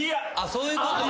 そういうことだ！